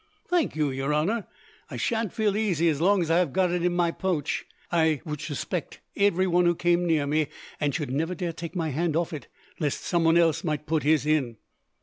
"Thank you, your honour. I sha'n't feel easy, as long as I have got it in my pouch. I should suspict everyone who came near me, and should never dare take my hand off it, lest someone else might put his in."